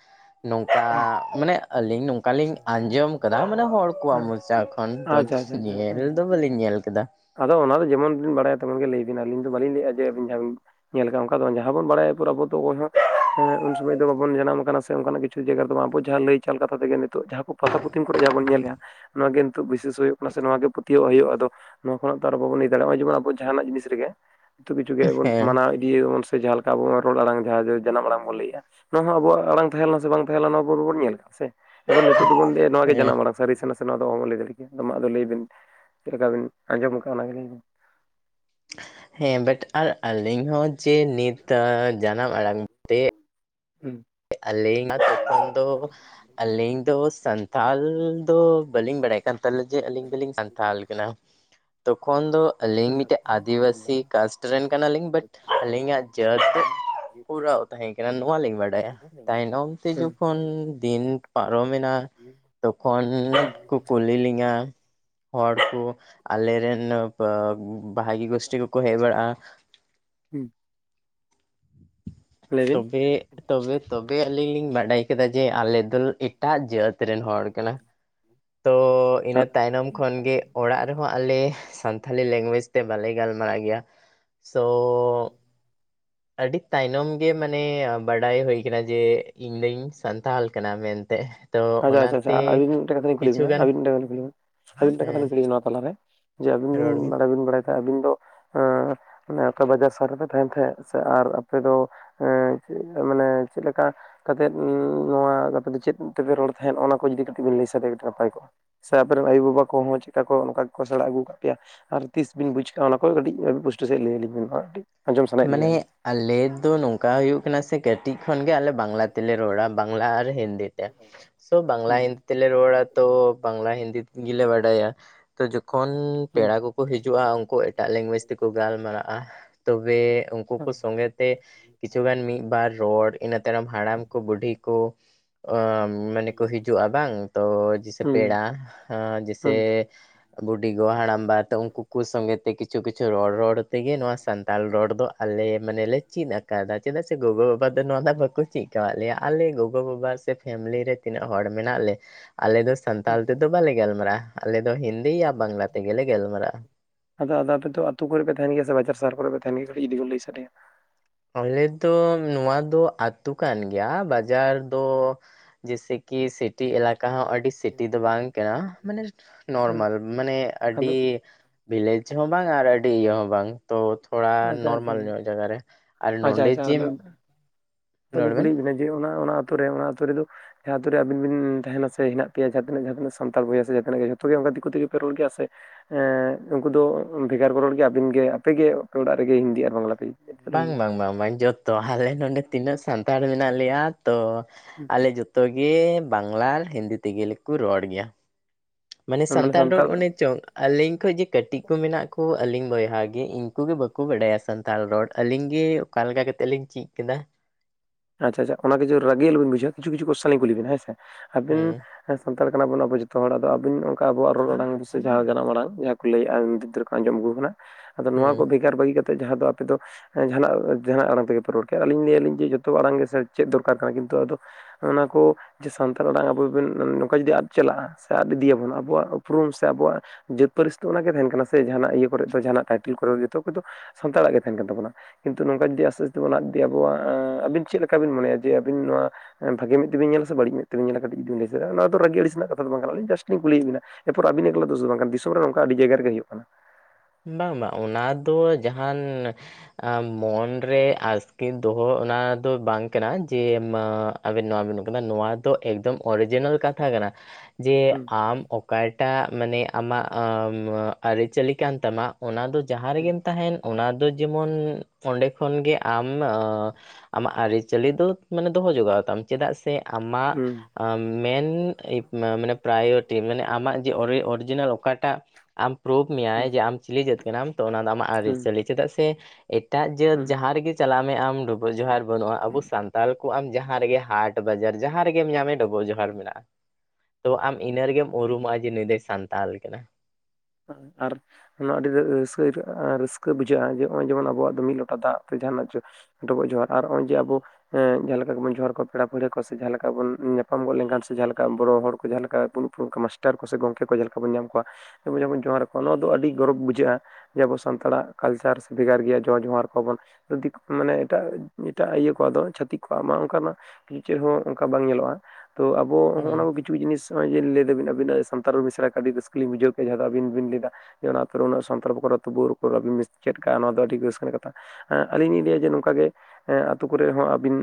ᱱᱚᱝᱠᱟ ᱦᱩᱸ ᱢᱟᱱᱮ ᱟᱹᱞᱤᱧ ᱱᱚᱝᱠᱟᱞᱤᱧ ᱟᱸᱡᱚᱢ ᱟᱠᱟᱫᱟ ᱢᱟᱱᱮ ᱦᱚᱲ ᱠᱚᱣᱟᱜ ᱦᱩᱸ ᱢᱚᱪᱟ ᱠᱷᱚᱱ, ᱛᱚ ᱟᱪᱪᱷᱟ ᱟᱪᱪᱷᱟ ᱟᱪᱪᱷᱟ ᱧᱮᱞ ᱦᱮᱸ ᱫᱚ ᱵᱟᱹᱞᱤᱧ ᱧᱮᱞ ᱠᱮᱫᱟ᱾ ᱟᱫᱚ ᱚᱱᱟ ᱫᱚ ᱡᱮᱢᱚᱱ ᱵᱤᱱ ᱵᱟᱲᱟᱭᱟ ᱛᱮᱢᱚᱱ ᱜᱮ ᱞᱟᱹᱭ ᱵᱤᱱ ᱟᱹᱞᱤᱧ ᱫᱚ ᱵᱟᱹᱞᱤᱧ ᱞᱟᱹᱭ-ᱟ ᱡᱮ ᱟᱹᱵᱤᱱ ᱡᱟᱦᱟᱸ ᱵᱤᱱ ᱧᱮᱞ ᱚᱱᱠᱟ ᱫᱚ ᱵᱟᱝ ᱡᱟᱦᱟᱸ ᱵᱚᱱ ᱵᱟᱲᱟᱭᱟ ᱟᱵᱚ ᱫᱚ ᱚᱠᱚᱭ ᱦᱚᱸ ᱦᱮᱸ ᱩᱱ ᱥᱚᱢᱚᱭ ᱫᱚ ᱵᱟᱵᱚᱱ ᱡᱟᱱᱟᱢ ᱟᱠᱟᱱᱟ ᱥᱮ ᱚᱱᱠᱟᱱᱟᱜ ᱠᱤᱪᱷ ᱠᱤᱪᱷᱩ ᱡᱟᱭᱜᱟ ᱨᱮ ᱵᱟᱝ ᱟᱵᱚ ᱡᱟᱦᱟᱸ ᱩ ᱩ ᱩ ᱡᱟᱭᱜᱟ ᱨᱮ ᱵᱟᱝ ᱟᱵᱚ ᱡᱟᱦᱟᱸ ᱞᱟᱹᱭ ᱪᱟᱞ ᱠᱟᱛᱷᱟ ᱛᱮᱜᱮ ᱱᱤᱛᱚᱜ ᱡᱟᱦᱟᱸ ᱠᱚ ᱯᱟᱛᱷᱟ ᱯᱩᱛᱷᱤ ᱠᱚᱨᱮ ᱡᱟᱦᱟᱸ ᱵᱚᱱ ᱧᱮᱞᱮᱜᱼᱟ᱾ ᱱᱚᱣᱟ ᱜᱮ ᱱᱤᱛᱚᱜ ᱵᱤᱥᱮᱥ ᱦᱩᱭᱩᱜ ᱠᱟᱱᱟ ᱥᱮ ᱱᱚᱣᱟ ᱜᱮ ᱯᱟᱹᱛᱭᱟᱹᱣᱟᱜ ᱦᱩᱭᱩᱜ-ᱟ, ᱟᱫᱚ ᱱᱚᱣᱟ ᱠᱷᱚᱱᱟᱜ ᱛᱚ ᱟᱨ ᱵᱟᱵᱚᱱ ᱤᱫᱤ ᱫᱟᱲᱮᱭᱟᱜ-ᱟ ᱡᱮᱢᱚᱱ ᱟᱵᱚ ᱡᱟᱦᱟᱱᱟᱜ ᱡᱤᱱᱤᱥ ᱨᱮᱜᱮ ᱡᱚᱛᱚ ᱠᱤᱪᱷᱩ ᱜᱮᱵᱚᱱ ᱦᱮᱸ ᱢᱟᱱᱟᱣ ᱤᱭᱟᱹᱭᱟᱵᱚᱱ ᱥᱮ ᱡᱟᱦᱟᱸ ᱞᱮᱠᱟ ᱟᱵᱚ ᱨᱚᱲ ᱟᱲᱟᱝ ᱡᱟᱦᱟᱸ ᱡᱟ ᱡᱟᱱᱟᱢ ᱟᱲᱟᱝ ᱵᱚᱱ ᱞᱟᱹᱭᱮᱫᱼᱟ᱾ ᱱᱚᱣᱟ ᱦᱚᱸ ᱟᱵᱚᱣᱟᱜ ᱟᱲᱟᱝ ᱛᱟᱦᱮᱸ ᱞᱮᱱᱟ ᱥᱮ ᱵᱟᱝ ᱛᱟᱦᱮᱸ ᱞᱮᱱᱟ ᱱᱚᱣᱟ ᱠᱚ ᱵᱟᱵᱚᱱ ᱧᱮᱞ ᱟᱠᱟᱫᱟ ᱥᱮ᱾ ᱮᱵᱚᱱ ᱱᱤᱛᱚᱜ ᱫᱚᱵᱚᱱ ᱞᱟᱹᱭᱟᱜ ᱜᱮ ᱦᱮᱸ ᱡᱟᱱᱟᱢ ᱟᱲᱟᱝ᱾ ᱥᱟᱹᱨᱤ ᱥᱮ ᱱᱟᱥᱮ ᱱᱚᱣᱟ ᱫᱚ ᱚᱦᱚ ᱵᱚᱱ ᱞᱟᱹᱭ ᱫᱟᱲᱮᱠᱮᱭᱟ᱾ ᱢᱟ ᱟᱫᱚ ᱞᱟᱹᱭᱵᱤᱱ ᱪᱮᱫ ᱞᱮᱠᱟᱵᱮᱱ ᱟᱸᱡᱚᱢ ᱟᱠᱟᱫ-ᱟ ᱚᱱᱟᱜᱮ ᱞᱟᱹᱭᱵᱮᱱ? ᱦᱮᱸ ᱵᱟᱴ ᱟᱨ ᱟᱹᱞᱤᱧ ᱦᱚᱸ ᱡᱮ ᱱᱤᱛ ᱡᱟᱱᱟᱢ ᱟᱲᱟᱝ ᱦᱩᱸ ᱟᱹᱞᱤᱧ ᱢᱟ ᱛᱚᱠᱷᱚᱱ ᱫᱚ ᱟᱹᱞᱤᱧ ᱫᱚ ᱥᱟᱱᱛᱷᱟᱞ ᱫᱚ ᱵᱟᱹᱞᱤᱧ ᱵᱟᱲᱟᱭ ᱠᱟᱱ ᱛᱟᱦᱚᱞᱮ ᱡᱮ ᱟᱹᱞᱤᱧ ᱫᱚᱞᱤᱧ ᱥᱟᱱᱛᱷᱟᱞ ᱠᱟᱱᱟ᱾ ᱛᱚᱠᱷᱚᱱ ᱫᱚ ᱟᱹᱞᱤᱧ ᱦᱩᱸ ᱢᱤᱫᱴᱮᱱ ᱟᱹᱫᱤᱵᱟᱹᱥᱤ ᱠᱟᱥᱴ ᱨᱮᱱ ᱠᱟᱱᱟᱞᱤᱧ, ᱵᱟᱴ, ᱟᱹᱞᱤᱧᱟᱜ ᱡᱟᱹᱛ ᱫᱚ ᱚᱨᱟᱸᱳ ᱛᱟᱦᱮᱸ ᱠᱟᱱᱟ ᱱᱚᱣᱟᱞᱤᱧ ᱵᱟᱰᱟᱭᱟ᱾ ᱛᱟᱭᱱᱚᱢ ᱛᱮ ᱦᱩᱸ ᱡᱚᱠᱷᱚᱱ ᱫᱤᱱ ᱯᱟᱨᱚᱢᱮᱱᱟ ᱛᱚᱠᱷᱚᱱ ᱦᱩᱸ ᱠᱚ ᱠᱩᱞᱤ ᱞᱤᱧᱟᱹ ᱦᱚᱲ ᱠᱚ ᱟᱞᱮ ᱨᱮᱱ ᱵᱷᱟᱜᱤ ᱜᱩᱥᱴᱤ ᱠᱚᱠᱚ ᱦᱮᱡ ᱵᱟᱲᱟᱜ-ᱟ᱾ ᱦᱩᱸ, ᱞᱟᱹᱭ ᱵᱤᱱ ᱛᱚᱵᱮ, ᱛᱚᱵᱮ, ᱛᱚᱵᱮ, ᱟᱹᱞᱤᱧ ᱞᱤᱧ ᱵᱟᱰᱟᱭ ᱠᱮᱫᱟ ᱡᱮ ᱟᱞᱮᱫ ᱫᱚ ᱮᱴᱟᱜ ᱡᱟᱹᱛ ᱨᱮᱱ ᱦᱚᱲ ᱠᱟᱱᱟ, ᱛᱚ ᱟᱪᱪᱷᱟ ᱤᱱᱟᱹ ᱛᱟᱭᱱᱚᱢ ᱠᱷᱚᱱ ᱜᱮ ᱚᱲᱟᱜ ᱨᱮ ᱦᱚᱸ ᱟᱞᱮ ᱥᱟᱱᱛᱷᱟᱞᱤ ᱞᱮᱝᱜᱩᱭᱮᱡᱽ ᱛᱮ ᱵᱟᱞᱮ ᱜᱟᱞᱢᱟᱨᱟᱜ ᱜᱮᱭᱟ, ᱥᱳ, ᱟᱹᱰᱤ ᱛᱟᱭᱱᱚᱢ ᱜᱮ ᱢᱟᱱᱮ ᱵᱟᱰᱟᱭ ᱦᱩᱭ ᱟᱠᱟᱱᱟ ᱡᱮ ᱤᱧ ᱫᱚᱧ ᱥᱟᱱ ᱛᱟᱞ ᱠᱟᱱᱟ ᱢᱮᱱᱛᱮ᱾ ᱛᱚ ᱟᱪᱪᱷᱟ, ᱟᱪᱪᱷᱟ, ᱚᱱᱟᱛᱮ ᱟᱪᱪᱷᱟ, ᱟᱞᱤ ᱢᱤᱫᱢᱮᱴ ᱠᱟᱛᱷᱟ ᱞᱤᱧ ᱠᱩᱞᱤ ᱵᱤᱱᱟ ᱠᱤᱪᱷᱩᱜᱟᱱ ᱟᱹᱵᱤᱱ ᱢᱤᱫᱴᱮᱝ ᱠᱟᱛᱷᱟ ᱞᱤᱧ ᱢᱤᱫᱴᱮᱱ ᱠᱟᱛᱷᱟ ᱦᱮᱸ ᱞᱤᱧ ᱠᱩᱞᱤ ᱵᱤᱱᱟ ᱱᱚᱣᱟ ᱛᱟᱞᱟᱨᱮ ᱡᱮ ᱟᱹᱵᱤᱱ ᱵᱤᱱ ᱵᱟᱲᱟᱭ ᱵᱤᱱ ᱵᱟᱲᱟᱭ ᱛᱟᱦᱮᱫ-ᱟ ᱟᱵᱤᱱ ᱫᱚ ᱦᱮᱸ, ᱢᱟᱱᱮ ᱚᱠᱟ ᱵᱟᱡᱟᱨ ᱥᱟᱦᱟᱨ ᱨᱮᱯᱮ ᱛᱟᱦᱮᱸᱱ ᱛᱟᱦᱮᱸᱫ? ᱥᱮ ᱟᱨ ᱟᱯᱮ ᱫᱚ ᱮ ᱢᱟᱱᱮ ᱪᱮᱜ ᱞᱮᱠᱟ ᱠᱟᱛᱮᱫ ᱱᱚᱣᱟ ᱟᱯᱮ ᱫᱚ ᱪᱮᱫ ᱛᱮᱯᱮ ᱨᱚᱲ ᱛᱟᱦᱮᱸᱫ ᱚᱱᱟ ᱠᱚ ᱡᱩᱫᱤ ᱠᱟᱹᱴᱤᱡ ᱵᱮᱱ ᱞᱟᱹᱭ ᱥᱟᱰᱮᱭᱟ ᱠᱟᱹᱴᱤᱡ ᱱᱟᱯᱟᱭ ᱠᱚᱜ-ᱟ? ᱥᱮ ᱟᱯᱮ ᱨᱮᱱ ᱟᱭᱩ ᱵᱟᱵᱟ ᱠᱚᱦᱚᱸ ᱪᱮᱫᱼᱠᱟ ᱠᱚ ᱚᱱᱠᱟ ᱜᱮ ᱠᱚ ᱥᱮᱬᱟ ᱟᱹᱜᱩ ᱟᱠᱟᱫ ᱯᱮᱭᱟ? ᱟᱨ ᱛᱤᱥ ᱵᱤᱱ ᱵᱩᱡᱽ ᱠᱟᱜ-ᱟ ᱚᱱᱟ ᱠᱚᱜᱮ ᱠᱟᱹᱴᱤᱡ ᱯᱩᱥᱴᱟᱹ ᱥᱟᱦᱤᱡ ᱞᱟᱹᱭ ᱟᱹᱞᱤᱧ ᱵᱮᱱ [unintelligible] ᱢᱟᱱᱮ, ᱟᱞᱮ ᱫᱚ ᱱᱚᱝᱠᱟ ᱦᱩᱭᱩᱜ ᱠᱟᱱᱟ ᱥᱮ ᱠᱟᱹᱴᱤᱡ ᱠᱷᱚᱱ ᱜᱮ ᱟᱞᱮ ᱵᱟᱝᱞᱟ ᱛᱮᱞᱮ ᱨᱚᱲᱟ ᱵᱟᱝᱞᱟ ᱟᱨ ᱦᱤᱱᱫᱤ᱾ ᱥᱚᱵ ᱵᱟᱝᱞᱟ ᱦᱩᱸ ᱦᱤᱱᱫᱤ ᱛᱮᱞᱮ ᱨᱚᱲᱟ ᱛᱚ ᱵᱟᱝᱞᱟ ᱦᱤᱱᱫᱤ ᱛᱮ ᱜᱮᱞᱮ ᱵᱟᱰᱟᱭᱟ, ᱛᱚ ᱡᱚᱠᱷᱚᱱ ᱦᱩᱸ ᱯᱮᱲᱟ ᱠᱚᱠᱚ ᱦᱤᱡᱩᱜ-ᱟ ᱩᱱᱠᱩ ᱮᱴᱟᱜ ᱞᱮᱝᱜᱩᱭᱮᱡ ᱛᱮᱠᱚ ᱜᱟᱞᱢᱟᱨᱟᱜ-ᱟ, ᱨᱮ ᱩᱱᱠᱩ ᱠᱚ ᱦᱩᱸ ᱥᱚᱸᱜᱮ ᱛᱮ ᱠᱤᱪᱷᱩ ᱜᱟᱱ ᱢᱤᱫ ᱵᱟᱨ ᱨᱚᱲ ᱤᱱᱟᱹ ᱛᱟᱭᱱᱚᱢ ᱦᱟᱲᱟᱢ ᱠᱚ, ᱵᱩᱰᱷᱤ ᱠᱚ, ᱚᱸ ᱢᱟᱱᱮ ᱠᱚ ᱦᱤᱡᱩᱜ-ᱟ ᱵᱟᱝ ᱛᱚ ᱡᱮᱥᱮ ᱯᱮᱲᱟ, ᱦᱩᱸ ᱡᱮᱥᱮ ᱵᱩᱰᱤᱜᱚ, ᱦᱟᱲᱟᱢᱵᱟ, ᱛᱚ ᱩᱱᱠᱩ ᱠᱚ ᱥᱚᱸᱜᱮ ᱛᱮ ᱠᱤᱪᱷᱩ ᱠᱤᱪᱷᱩ ᱨᱚᱲ ᱨᱚᱲ ᱛᱮᱜᱮ ᱱᱚᱣᱟ ᱥᱟᱱ ᱨᱚᱲ ᱫᱚ ᱟᱞᱮ ᱢᱟᱱᱮ ᱞᱮ ᱪᱮᱫ ᱟᱠᱟᱫᱟ, ᱪᱮᱫᱟᱜ ᱥᱮ ᱜᱚᱜᱚ ᱵᱟᱵᱟ ᱫᱚ ᱱᱚᱣᱟ ᱫᱚ ᱵᱟᱠᱚ ᱪᱮᱫ ᱟᱠᱟᱣᱼᱜ ᱞᱮᱭᱟ ᱟᱞᱮ ᱜᱚᱜᱚ ᱵᱟᱵᱟ ᱯᱷᱮᱢᱞᱤ ᱨᱮ ᱛᱤᱱᱟᱹᱜ ᱦᱚᱲ ᱢᱮᱱᱟᱜ ᱞᱮ ᱟᱞᱮ ᱫᱚ ᱦᱩᱸ ᱥᱟᱱᱛᱟᱞ ᱛᱮᱫᱚ ᱵᱟᱞᱮ ᱜᱟᱞᱢᱟᱨᱟᱜ-ᱟ ᱟᱞᱮ ᱫᱚ ᱦᱤᱱᱫᱤ ᱟᱨ ᱵᱟᱝᱞᱟ ᱛᱮᱜᱮᱞᱮ ᱜᱟᱞᱢᱟᱨᱟᱜ-ᱟ᱾ ᱟᱫᱚ ᱟᱫᱚ ᱟᱯᱮ ᱫᱚ ᱟᱹᱛᱩ ᱠᱚᱨᱮ ᱯᱮ ᱛᱟᱦᱮᱱ ᱜᱮᱭᱟ ᱥᱮ ᱵᱟᱡᱟᱨ ᱥᱟᱦᱟᱨ ᱠᱚᱨᱮ ᱯᱮ ᱛᱟᱦᱮᱱ ᱜᱮᱭᱟ ᱠᱟᱹᱴᱤᱡ ᱡᱚᱫᱤ ᱵᱤᱱ ᱞᱟᱹᱭ ᱥᱟᱰᱮᱭᱟ? ᱟᱞᱮ ᱫᱚ ᱱᱚᱣᱟ ᱫᱚ ᱟᱹᱛᱩ ᱠᱟᱱ ᱜᱮᱭᱟ ᱵᱟᱡᱟᱨ ᱫᱚ ᱡᱮᱥᱮ ᱠᱤ ᱥᱤᱴᱤ ᱮᱞᱟᱠᱟ ᱦᱚᱸ ᱟᱹᱰᱤ ᱥᱤᱴᱤ ᱫᱚ ᱵᱟᱝ ᱠᱟᱱᱟ ᱢᱟᱱᱮ ᱦᱩᱸ ᱱᱚᱨᱢᱟᱞ ᱢᱟᱱᱮ ᱟᱫᱚ ᱟᱹᱰᱤ ᱵᱷᱤᱞᱮᱡᱽ ᱦᱚᱸ ᱵᱟᱝ ᱟᱨ ᱟᱹᱰᱤ ᱤᱭᱟᱹ ᱦᱚᱸ ᱵᱟᱝ ᱛᱚ ᱛᱷᱚᱲᱟ ᱟᱪᱪᱷᱟ ᱟᱪᱪᱷᱟ ᱱᱚᱨᱢᱟᱞ ᱧᱚᱜ ᱡᱟᱸᱜᱟ ᱨᱮ᱾ ᱟᱨ ᱟᱪᱪᱷᱟ ᱱᱚᱰᱮ ᱟᱪᱪᱷᱟ ᱡᱮ ᱨᱚᱲ ᱟᱹᱞᱤᱧ ᱵᱮᱱ ᱠᱩᱞᱤᱭᱮᱫ ᱵᱮᱱᱟ ᱡᱮ ᱚᱱᱟ ᱚᱱᱟ ᱟᱛᱳ ᱨᱮ ᱚᱱᱟ ᱟᱹᱛᱳ ᱨᱮᱫᱚ ᱡᱟᱦᱟᱸ ᱟᱛᱩ ᱨᱮ ᱟᱹᱵᱤᱱ ᱵᱤᱱ ᱛᱟᱦᱮᱱᱟ ᱥᱮ ᱦᱮᱱᱟᱜ ᱯᱮᱭᱟ ᱡᱟᱦᱟᱸ ᱛᱤᱱᱟᱹᱜ ᱡᱟᱦᱟᱸ ᱛᱤᱱᱟᱹᱜ ᱥᱟᱱᱛᱟᱞ ᱵᱚᱭᱦᱟ ᱥᱮ ᱡᱟᱦᱟᱸ ᱱᱟᱹᱜ ᱜᱮ ᱡᱚᱛᱚ ᱜᱮ ᱚᱱᱠᱟ ᱫᱤᱠᱩ ᱛᱮᱜᱮ ᱯᱮ ᱨᱚᱲ ᱜᱮᱭᱟ ᱥᱮ ᱩᱱᱠᱩ ᱫᱚ ᱵᱷᱮᱜᱟᱨ ᱠᱚ ᱨᱚᱲ ᱜᱮᱭᱟ ᱟᱹᱵᱤᱱ ᱜᱮ ᱟᱯᱮᱜᱮ ᱚᱲᱟᱜ ᱨᱮᱜᱮ ᱦᱤᱱᱫᱤ ᱟᱨ ᱵᱟᱝᱞᱟ ᱛᱮ? ᱵᱟᱝ ᱵᱟᱝ ᱵᱟᱝ ᱵᱟᱝ ᱡᱚᱛᱚ ᱟᱞᱮ ᱱᱚᱰᱮ ᱛᱤᱱᱟᱹᱜ ᱥᱟᱱᱛᱟᱲ ᱢᱮᱱᱟᱜ ᱞᱮᱭᱟ ᱛᱚ ᱟᱞᱮ ᱡᱚᱛᱚ ᱜᱮ ᱵᱟᱝᱞᱟ ᱟᱨ ᱦᱤᱱᱫᱤ ᱛᱮᱜᱮᱞᱮ ᱠᱚ ᱨᱚᱲ ᱜᱮᱭᱟ᱾ ᱢᱟᱱᱮ ᱥᱟᱱᱛᱟᱲ ᱨᱚᱲ ᱚᱱᱮ ᱪᱚᱝ ᱟᱹᱞᱤᱧ ᱠᱷᱚᱱ ᱡᱮ ᱠᱟᱹᱴᱤᱡ ᱠᱚ ᱢᱮᱱᱟᱜ ᱠᱚ ᱟᱹᱞᱤᱧ ᱵᱚᱭᱦᱟ ᱜᱮ ᱤᱱᱠᱩ ᱜᱮ ᱵᱟᱠᱚ ᱵᱟᱰᱟᱭᱟ ᱥᱟᱱᱛᱟᱲ ᱨᱚᱲ ᱟᱞᱤᱧ ᱜᱮ ᱚᱠᱟ ᱞᱮᱠᱟ ᱠᱟᱛᱮᱫ ᱞᱤᱧ ᱪᱮᱫ ᱠᱮᱫᱟ᱾ ᱟᱪᱪᱷᱟ ᱟᱪᱪᱷᱟ ᱚᱱᱟ ᱠᱤᱪᱷᱩ ᱨᱟᱹᱜᱤ ᱟᱞᱚᱵᱤᱱ ᱵᱩᱡᱷᱟᱹ ᱠᱤᱪᱷᱩ ᱠᱤᱪᱷᱩ ᱠᱚᱥᱥᱟᱹᱱ ᱞᱤᱧ ᱠᱩᱞᱤ ᱵᱮᱱᱟ ᱦᱮᱸᱥᱮ ᱦᱩᱸ ᱟᱵᱤᱱ ᱦᱮᱸ ᱥᱟᱱᱛᱟᱲ ᱠᱟᱱᱟ ᱵᱚᱱ ᱟᱵᱚ ᱡᱚᱛᱚ ᱦᱚᱲ ᱟᱫᱚ ᱟᱵᱤᱱ ᱚᱱᱠᱟ ᱟᱵᱚᱣᱟᱜ ᱨᱚᱲ ᱟᱲᱟᱝ ᱥᱮ ᱡᱟᱦᱟᱸ ᱡᱟᱱᱟᱢ ᱟᱲᱟᱝ ᱡᱟᱦᱟᱸ ᱠᱚ ᱞᱟᱹᱭᱮᱜ-ᱟ ᱦᱤᱱᱫᱤ ᱛᱮ ᱟᱸᱡᱚᱢ ᱟᱹᱜᱩ ᱠᱟᱱᱟ ᱟᱫᱚ ᱦᱩᱸ ᱱᱚᱣᱟ ᱠᱚ ᱵᱷᱮᱜᱟᱨ ᱵᱟᱹᱜᱤ ᱠᱟᱛᱮ ᱡᱟᱦᱟᱸ ᱫᱚ ᱟᱯᱮ ᱫᱚ ᱡᱟᱦᱟᱱᱟᱜ ᱡᱟᱦᱟᱱᱟᱜ ᱟᱲᱟᱝ ᱛᱮᱜᱮ ᱯᱮ ᱨᱚᱲ ᱠᱮᱜ ᱟᱞᱤᱧ ᱞᱟᱹᱭᱟᱞᱤᱧ ᱡᱮ ᱡᱚᱛ ᱛᱚ ᱟᱲᱟᱝ ᱜᱮᱥᱮ ᱪᱮᱫ ᱫᱚᱨᱠᱟᱨ ᱠᱟᱱᱟ ᱠᱤᱱᱛᱩ ᱟᱫᱚ ᱚᱱᱟ ᱠᱚ ᱡᱮ ᱥᱟᱱᱛᱟᱲ ᱟᱲᱟᱝ ᱟᱵᱚ ᱵᱚᱱ ᱱᱚᱝᱠᱟ ᱡᱩᱫᱤ ᱟᱫ ᱪᱟᱞᱟᱜ-ᱟ ᱥᱮ ᱟᱫ ᱤᱫᱤᱭᱟᱵᱚᱱ ᱟᱵᱚᱣᱟᱜ ᱩᱯᱨᱩᱢ ᱥᱮ ᱟᱵᱚᱣᱟᱜ ᱡᱟᱹᱛ ᱯᱟᱹᱨᱤᱥ ᱫᱚ ᱚᱱᱟᱜᱮ ᱛᱟᱦᱮᱱ ᱠᱟᱱᱟ ᱥᱮ ᱡᱟᱦᱟᱱᱟᱜ ᱤᱭᱟᱹ ᱠᱚᱨᱮ ᱫᱚ ᱡᱟᱦᱟᱱᱟᱜ ᱴᱟᱭᱴᱮᱞ ᱠᱚᱨᱮ ᱫᱚ ᱡᱚᱛᱚ ᱠᱚᱫᱚ ᱥᱟᱱᱛᱟᱲᱟᱜ ᱜᱮ ᱛᱟᱦᱮᱱ ᱠᱟᱱ ᱛᱟᱵᱚᱱᱟ ᱠᱤᱱᱛᱩ ᱱᱚᱝᱠᱟ ᱡᱩᱫᱤ ᱟᱥᱛᱮ ᱟᱥᱛᱮ ᱵᱚ ᱟᱫ ᱤᱫᱤᱭᱟ ᱟᱵᱚᱣᱟᱜ ᱟᱵᱤᱱ ᱪᱮᱫ ᱞᱮᱠᱟ ᱵᱤᱱ ᱢᱚᱱᱮᱭᱟ ᱡᱮ ᱟᱹᱵᱤᱱ ᱱᱚᱣᱟ ᱵᱷᱟᱜᱮ ᱢᱮᱫ ᱛᱮᱵᱤᱱ ᱧᱮᱞᱟ ᱥᱮ ᱵᱟᱹᱲᱤᱡ ᱢᱮᱫ ᱛᱮᱵᱤᱱ ᱧᱮᱞᱟ ᱠᱟᱴᱤᱡ ᱡᱚᱫᱤ ᱞᱟᱹᱭᱟᱲᱭᱟᱜ ᱱᱚᱣᱟ ᱫᱚ ᱨᱟᱹᱜᱤ ᱟᱹᱲᱤᱥ ᱨᱮᱱᱟᱜ ᱠᱟᱷᱟ ᱫᱚ ᱵᱟᱝ ᱠᱟᱱᱟ ᱟᱞᱤᱧ ᱡᱟᱥᱴ ᱞᱤᱧ ᱠᱩᱞᱤᱭᱮᱫ ᱵᱮᱱᱟ ᱮᱨᱯᱚᱨ ᱟᱹᱵᱤᱱ ᱮᱠᱞᱟ ᱫᱳᱥ ᱫᱚ ᱵᱟᱝ ᱠᱟᱱᱟ ᱫᱤᱥᱚᱢ ᱨᱮ ᱱᱚᱝᱠᱟ ᱟᱹᱰᱤ ᱡᱟᱭᱜᱟ ᱨᱮᱜᱮ ᱦᱩᱭᱩᱜ ᱠᱟᱱᱟ᱾ ᱵᱟᱝ ᱵᱟᱝ ᱚᱱᱟ ᱫᱚ ᱡᱟᱦᱟᱱ ᱢᱚᱱᱨᱮ ᱟᱥᱠᱮ ᱫᱚᱦᱚ ᱚᱱᱟ ᱫᱚ ᱵᱟᱝ ᱠᱟᱱᱟ ᱡᱮ ᱢᱟ ᱟᱵᱮᱱ ᱱᱚᱣᱟ ᱵᱮᱱ [unintelligible] ᱱᱚᱣᱟ ᱫᱚ ᱮᱠᱫᱚᱢ ᱚᱨᱤᱡᱤᱱᱟᱞ ᱠᱟᱛᱷᱟ ᱠᱟᱱᱟ᱾ ᱡᱮ ᱦᱩᱸ ᱟᱢ ᱚᱠᱟᱴᱟᱜ ᱢᱟᱱᱮ ᱟᱢᱟᱜ ᱟᱹᱨᱤᱪᱟᱞᱤ ᱠᱟᱱ ᱛᱟᱢᱟ ᱚᱱᱟ ᱫᱚ ᱡᱟᱦᱟᱸ ᱦᱩᱸ ᱨᱮᱜᱮᱢ ᱛᱟᱦᱮᱸᱱ ᱚᱱᱟ ᱫᱚ ᱡᱮᱢᱚᱱ ᱚᱸᱰᱮ ᱠᱷᱚᱱ ᱜᱮ ᱟᱢ ᱟᱢᱟᱜ ᱟᱹᱨᱤᱪᱟᱹᱞᱤ ᱫᱚ ᱢᱟᱱᱮ ᱫᱚᱦᱚ ᱡᱚᱜᱟᱣ ᱛᱟᱢ ᱪᱮᱫᱟᱜ ᱥᱮ ᱟᱢᱟᱜ ᱦᱩᱸ ᱢᱮᱱ ᱢᱟᱱᱮ ᱯᱨᱟᱭᱳᱚᱨᱤᱴᱤ ᱢᱟᱱᱮ ᱟᱢᱟᱜ ᱡᱮ ᱚᱨᱤᱡᱤᱱᱟᱞ ᱚᱠᱟᱴᱟᱜ ᱟᱢ ᱯᱨᱩᱵᱷ ᱢᱮᱭᱟᱭ ᱦᱩᱸ ᱡᱮ ᱟᱢ ᱪᱤᱞᱤ ᱡᱟᱹᱛ ᱠᱟᱱᱟᱢ ᱛᱚ ᱚᱱᱟᱫᱚ ᱟᱢᱟᱜ ᱦᱩᱸ ᱟᱹᱨᱤᱪᱟᱹᱞᱤ ᱪᱮᱫᱟᱜ ᱥᱮ ᱮᱴᱟᱜ ᱡᱟᱹᱛ ᱦᱩᱸ ᱡᱟᱦᱟᱸ ᱨᱮᱜᱮ ᱪᱟᱞᱟᱜ ᱢᱮ ᱟᱢ ᱰᱚᱵᱚᱜ ᱡᱚᱦᱟᱨ ᱵᱟᱹᱱᱩᱜᱼᱟ ᱟᱵᱚ ᱥᱟᱱᱛᱟᱲ ᱟᱢ ᱡᱟᱦᱟᱸ ᱨᱮᱜᱮ ᱦᱟᱴ ᱵᱟᱡᱟᱨ ᱡᱟᱦᱟᱸ ᱨᱮᱜᱮᱢ ᱧᱟᱢᱮ ᱰᱚᱵᱚᱜ ᱡᱚᱦᱟᱨ ᱢᱮᱱᱟᱜᱼᱟ᱾ ᱛᱚ ᱟᱢ ᱤᱱᱟᱹ ᱨᱮᱜᱮᱢ ᱩᱨᱩᱢᱚᱜᱼᱟ ᱡᱮ ᱱᱩᱭ ᱫᱚᱭ ᱥᱟᱱᱛᱟᱞ ᱠᱟᱱᱟ᱾ ᱟᱨ ᱱᱚᱣᱟ ᱟᱹᱰᱤ ᱨᱟᱹᱥᱠᱟᱹ ᱨᱟᱹᱥᱠᱟᱹ ᱵᱩᱡᱷᱟᱹᱜᱼᱟ ᱡᱮ ᱦᱚᱸᱜᱼᱚᱭ ᱡᱮᱢᱚᱱ ᱟᱵᱚᱣᱟᱜ ᱫᱚ ᱢᱤᱫ ᱞᱚᱴᱟ ᱫᱟᱜ ᱛᱮ ᱡᱟᱦᱟᱱᱟᱜ ᱪᱚ ᱰᱚᱵᱚᱜ ᱡᱚᱦᱟᱨ ᱟᱨ ᱦᱚᱸᱜᱼᱚᱭ ᱡᱮ ᱟᱵᱚ ᱦᱮᱸ ᱡᱟᱦᱟᱸ ᱞᱮᱠᱟ ᱜᱮᱵᱚᱱ ᱡᱚᱦᱟᱨ ᱟᱠᱚᱣᱟ ᱯᱮᱲᱟ ᱯᱟᱹᱲᱦᱟᱹ ᱠᱚ ᱥᱮ ᱡᱟᱦᱟᱸ ᱞᱮᱠᱟ ᱵᱚᱱ ᱧᱟᱯᱟᱢ ᱜᱚᱫ ᱞᱮᱱᱠᱷᱟᱱ ᱥᱮ ᱡᱟᱦᱟᱸ ᱞᱮᱠᱟ ᱵᱚᱲᱚ ᱦᱚᱲ ᱠᱚ ᱡᱟᱦᱟᱸᱞᱮ ᱞᱮᱠᱟ ᱫᱩᱲᱩᱵ ᱢᱟᱥᱴᱟᱨ ᱠᱚ ᱥᱮ ᱜᱚᱢᱠᱮ ᱠᱚ ᱡᱟᱦᱟᱸ ᱞᱮᱠᱟ ᱵᱚᱱ ᱧᱟᱢ ᱠᱚᱣᱟ ᱚᱸᱰᱮ ᱵᱚᱱ ᱡᱚᱦᱟᱨ ᱟᱠᱚᱣᱟ ᱱᱚᱣᱟ ᱫᱚ ᱟᱹᱰᱤ ᱜᱚᱨᱚᱵᱽ ᱵᱩᱡᱷᱟᱹᱜᱼᱟ᱾ ᱡᱮ ᱟᱵᱚ ᱥᱟᱱᱛᱟᱲᱼᱟᱜ ᱠᱟᱞᱪᱟᱨ ᱥᱮ ᱵᱷᱮᱜᱟᱨ ᱜᱮᱭᱟ ᱡᱚᱦᱟᱨ ᱡᱚᱦᱟᱨ ᱠᱚᱵᱚᱱ ᱢᱟᱱᱮ ᱮᱴᱟᱜ ᱮᱴᱟᱜ ᱤᱭᱟᱹ ᱠᱚᱣᱟᱜ ᱫᱚ ᱪᱷᱟᱹᱛᱤᱠ ᱠᱚᱣᱟᱜ ᱢᱟ ᱚᱝᱠᱟ ᱢᱟ ᱪᱮᱫᱦᱚᱸ ᱚᱝᱠᱟ ᱵᱟᱝ ᱧᱮᱞᱚᱜᱼᱟ ᱛᱚ ᱟᱵᱚ ᱦᱚᱸᱜᱼᱚ ᱦᱮᱸ ᱱᱚᱣᱟ ᱠᱤᱪᱷᱩ ᱡᱤᱱᱤᱥ ᱡᱮ ᱞᱟᱹᱭ ᱫᱟᱵᱤᱱ ᱟᱵᱤᱱᱟᱜ ᱥᱟᱱᱛᱟᱲ ᱨᱚᱲ ᱵᱤᱱ ᱥᱮᱸᱬᱟ ᱠᱟᱫᱟ ᱟᱹᱰᱤ ᱨᱟᱹᱥᱟᱹ ᱞᱤᱧ ᱵᱩᱡᱷᱟᱹᱣ ᱡᱟᱦᱟᱸ ᱫᱚ ᱟᱹᱵᱤᱱ ᱵᱤᱱ ᱞᱟᱹᱭ ᱫᱟ ᱚᱱᱟ ᱟᱛᱳ ᱩᱱᱟᱹᱜ ᱥᱚᱱᱛᱚᱨ ᱠᱚ ᱛᱩᱵᱩ [unintelligible] ᱟᱹᱵᱤᱱ ᱪᱮᱫ ᱠᱟᱜᱼᱟ ᱱᱚᱣᱟ ᱫᱚ ᱟᱹᱰᱤ ᱨᱟᱹᱥᱠᱟᱹ ᱠᱟᱛᱷᱟ [unintelligible] ᱦᱮᱸ ᱟᱹᱞᱤᱧ ᱞᱤᱧ ᱞᱟᱹᱭᱟ ᱡᱮ ᱱᱚᱝᱠᱟ ᱜᱮ ᱟᱛᱳ ᱠᱚᱨᱮᱜ ᱦᱚᱸ ᱟᱹᱵᱤᱱ